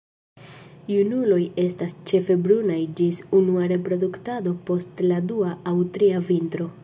Junuloj estas ĉefe brunaj ĝis unua reproduktado post la dua aŭ tria vintro.